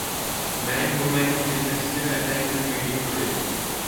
Men, women and children still attend this meeting today.